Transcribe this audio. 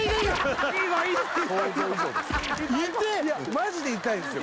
マジで痛いんすよ